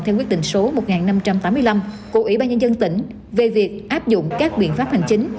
theo quyết định số một nghìn năm trăm tám mươi năm của ủy ban nhân dân tỉnh về việc áp dụng các biện pháp hành chính